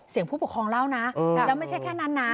ผู้ปกครองเล่านะแล้วไม่ใช่แค่นั้นนะ